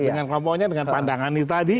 dengan kelompoknya dengan pandangan itu tadi